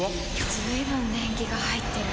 随分年季が入っている。